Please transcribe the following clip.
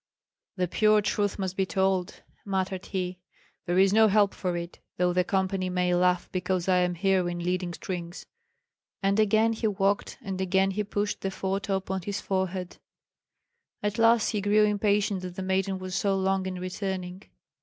"The pure truth must be told," muttered he; "there is no help for it, though the company may laugh because I am here in leading strings." And again he walked, and again he pushed the foretop on his forehead; at last he grew impatient that the maiden was so long in returning.